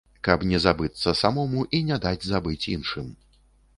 Каб не забыцца самому і не даць забыць іншым.